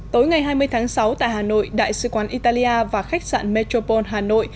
tối ngày hai mươi tháng sáu tại hà nội đại sứ quán italia và khách sạn metropole hà nội